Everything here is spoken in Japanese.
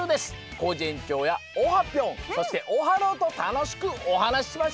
コージえんちょうやオハぴょんそしてオハローとたのしくおはなししましょう！